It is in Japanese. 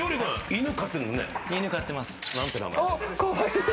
犬飼ってます。